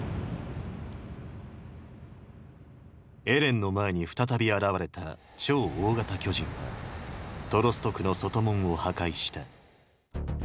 エレンの前に再び現れた「超大型巨人」はトロスト区の外門を破壊した。